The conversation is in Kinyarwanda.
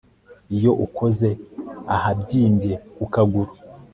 iyo ukoze ahabyimbye ku kaguru